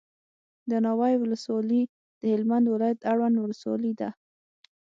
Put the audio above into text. دناوی ولسوالي دهلمند ولایت اړوند ولسوالي ده